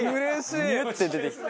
ニュッて出てきた。